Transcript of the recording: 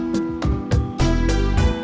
barusan di tempat